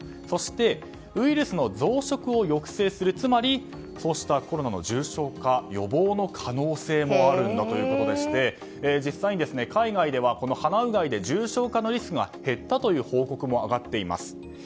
そしてウイルスの増殖を抑制するつまりコロナの重症化予防の可能性もあるんだということでして実際に海外ではこの鼻うがいで重症化のリスクが減ったという報告も上がっています。